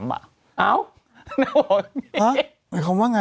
ห๊ะเห็นคุยกันตั้งนานนึกว่าแบบขำอ่ะ